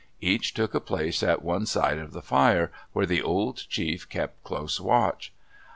Each took a place at one side of the fire, where the old chief kept close watch.